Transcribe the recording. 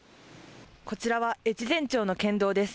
こちらは越前町の県道です。